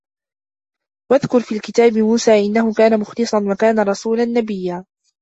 واذكر في الكتاب موسى إنه كان مخلصا وكان رسولا نبيا